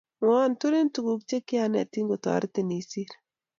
Mwowo turin tukuk che kianetin kitoretin isiir